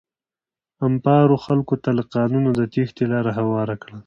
امپارو خلکو ته له قانونه د تېښتې لاره هواره کړه.